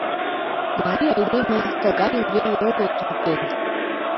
Марий айдеме тыгайым веле огыл туркен...